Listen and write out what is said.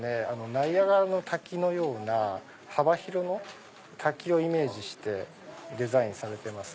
ナイアガラの滝のような幅広の滝をイメージしてデザインされてます。